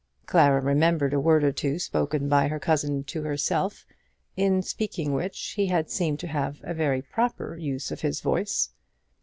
Clara remembered a word or two spoken by her cousin to herself, in speaking which he had seemed to have a very proper use of his voice.